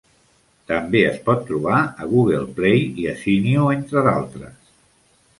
També es pot trobar a Google Play i a Zinio, entre d'altres.